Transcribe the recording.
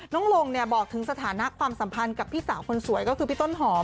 ลงบอกถึงสถานะความสัมพันธ์กับพี่สาวคนสวยก็คือพี่ต้นหอม